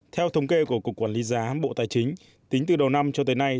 theo thống kê của cục quản lý giá bộ tài chính tính từ đầu năm cho tới nay